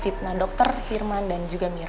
fitnah dokter firman dan juga mira